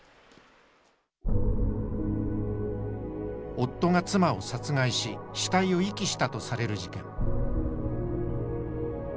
夫が妻を殺害し死体を遺棄したとされる事件。